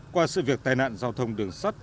qua sự việc tai nạn giao thông đường sắt